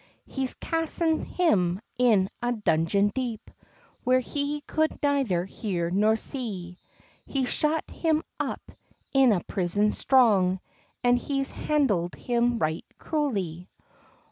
He's casten [him] in a dungeon deep, Where he coud neither hear nor see; He's shut him up in a prison strong, An he's handld him right cruely.